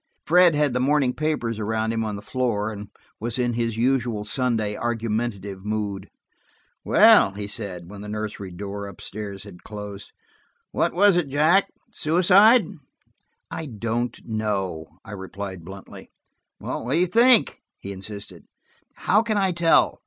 Fred had the morning papers around him on the floor, and was in his usual Sunday argumentative mood. "Well," he said, when the nursery door up stairs had closed, "what was it, Jack? Suicide?" "I don't know," I replied bluntly. "What do you think?" he insisted. "How can I tell?"